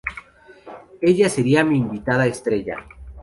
Ella sería mi invitada estrella.